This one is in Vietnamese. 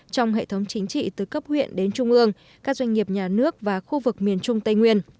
trong hệ thống chính trị từ cấp huyện đến trung ương các doanh nghiệp nhà nước và khu vực miền trung tây nguyên